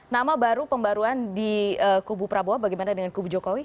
nama baru pembaruan di kubu prabowo bagaimana dengan kubu jokowi